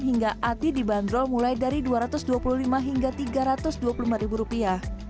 hingga ati dibanderol mulai dari dua ratus dua puluh lima hingga tiga ratus dua puluh lima ribu rupiah